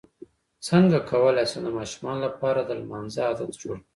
څنګه کولی شم د ماشومانو لپاره د لمانځه عادت جوړ کړم